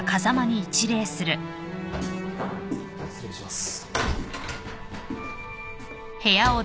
失礼します。